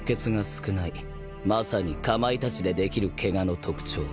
まさにかまいたちでできるケガの特徴。